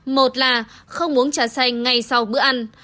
một là không uống trà xanh ngay sau bữa ăn